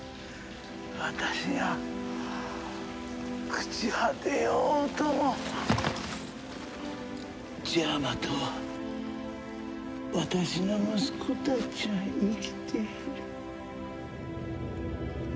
私が朽ち果てようともジャマトは私の息子たちは生きている。